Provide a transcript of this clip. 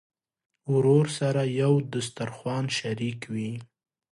ورور سره یو دسترخوان شریک وي.